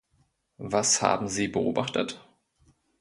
Was haben Sie beobachtet?